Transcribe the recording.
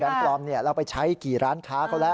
แบงค์ปลอมเนี่ยเราไปใช้กี่ร้านค้าเขาแหละ